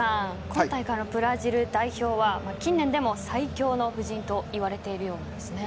今大会のブラジル代表は近年でも最強の布陣と言われているようですね。